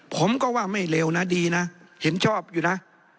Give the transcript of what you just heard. ผมก็ว่าไม่เลวนะดีนะเห็นชอบอยู่นะ